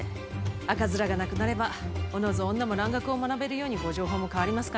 赤面がなくなればおのず女も蘭学を学べるようにご定法も変わりますかね。